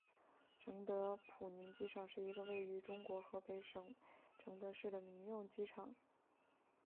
承德普宁机场是一个位于中国河北省承德市的民用机场。